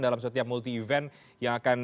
dalam setiap multi event yang akan